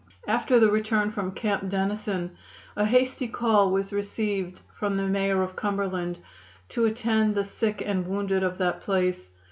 After the return from Camp Dennison a hasty call was received from the Mayor of Cumberland to attend the sick and wounded of that place.